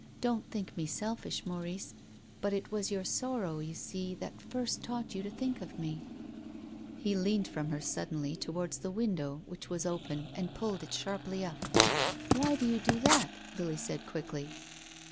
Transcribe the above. Don't think me selfish, Maurice. I'ut it was your sorrow, you see, that first taught you to think of me." 228 TONGUES OF CONSCIENCE. He leaned from her suddenly towards the window which was open and pulled it sharply up. " Why do you do that?" Lily said quickly.